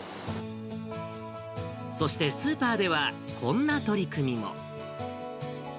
そしてスーパーでは、こんな取り組みも。